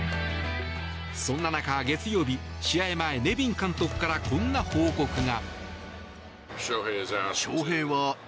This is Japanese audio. そんな中、月曜日試合前ネビン監督からこんな報告が。